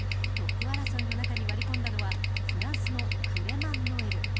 トップ争いの中に割り込んだのはフランスのクレマン・ノエル。